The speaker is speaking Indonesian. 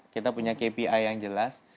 kita punya kpi yang jelas